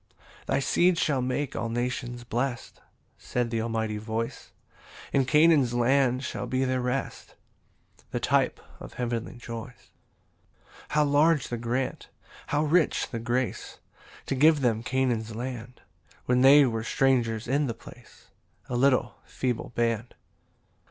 4 "Thy seed shall make all nations blest," (Said the Almighty voice) "And Canaan's land shall be their rest, "The type of heavenly joys." 5 [How large the grant! how rich the grace! To give them Canaan's land, When they were strangers in the place, A little feeble band!